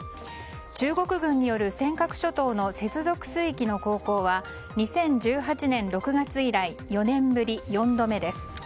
中国軍による尖閣諸島の接続水域の航行は２０１８年６月以来４年ぶり４度目です。